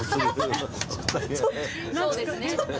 そうですねええ。